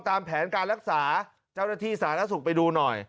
ตามแผนการรักษาเจ้าหน้าที่สาธารณสุขไปดูหน่อย